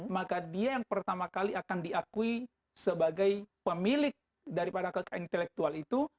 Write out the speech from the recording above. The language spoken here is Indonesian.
maka dia yang pertama kali akan diakui sebagai pemilik daripada kekayaan intelektual itu